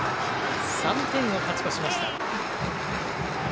３点を勝ち越しました。